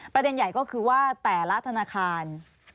ประเด็นใหญ่ก็คือว่าแต่ละธนาคาร